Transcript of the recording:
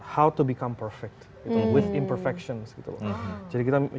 bagaimana untuk menjadi sempurna dengan kelelahan